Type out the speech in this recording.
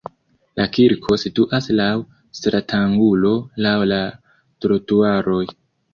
La kirko situas laŭ stratangulo laŭ la trotuaroj.